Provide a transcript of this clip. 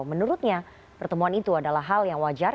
menurutnya pertemuan itu adalah hal yang wajar